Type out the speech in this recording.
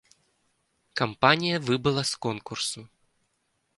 Кампанія выбыла з конкурсу.